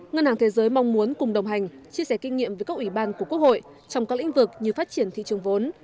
ngân hàng thế giới mong muốn cùng đồng hành chia sẻ kinh nghiệm với các ủy ban của quốc hội trong các lĩnh vực như phát triển thị trường vốn